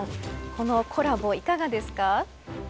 このコラボいかがですか。